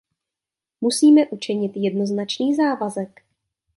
Musíme učinit jednoznačný závazek.